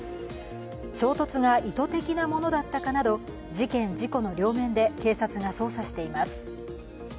衝突が意図的なものだったのかなど事件・事故の両面で警察が捜査しています。